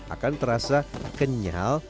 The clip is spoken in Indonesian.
akan terasa kenyal